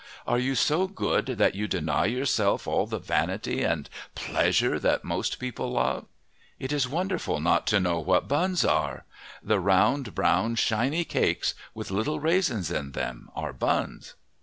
Are you so good that you deny yourself all the vanity and pleasure that most people love? It is wonderful not to know what buns are! The round, brown, shiny cakes, with little raisins in them, are buns."